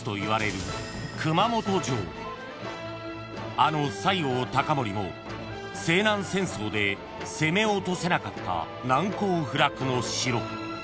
［あの西郷隆盛も西南戦争で攻め落とせなかった難攻不落の城］